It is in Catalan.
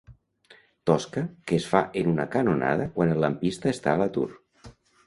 Tosca que es fa en una canonada quan el lampista està a l'atur.